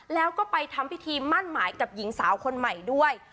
แล้วก็ไปทำพิธีมั่นหมายกับหญิงสาวคนใหม่ด้วย